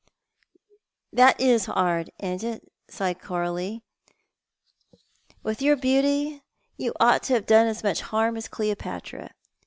" That is hard, ain't it," sighed Coralie. " W^ith your beaiity you ought to have done as much harm as Cleopatra.